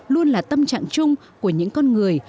luôn là tâm trạng chung của những con người